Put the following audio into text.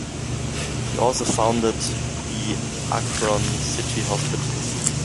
He also founded the Akron City Hospital.